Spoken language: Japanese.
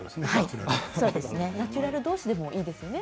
ナチュラルどうしでもいいですよね。